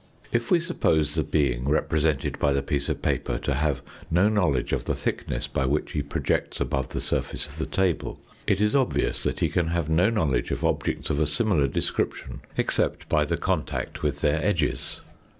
If we suppose the being represented by the piece of paper to have no knowledge of the thickness by which he projects above the surface of the table, it is obvious that he can have no knowledge of objects of a similar desciiption, except by the contact with their edges.